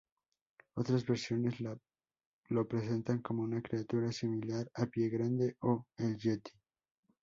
Otras versiones lo presentan como una criatura similar a Pie Grande o el Yeti.